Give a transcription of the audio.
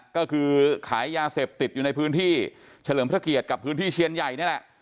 ก็คือขายยาเสพติดอยู่ในพื้นที่เฉลิมพระเกียรติกับพื้นที่เชียนใหญ่นี่แหละ